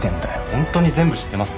本当に全部知ってますか？